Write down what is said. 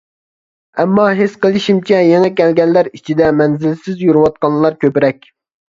ئەمما ھېس قىلىشىمچە، يېڭى كەلگەنلەر ئىچىدە مەنزىلسىز يۈرۈۋاتقانلار كۆپرەك.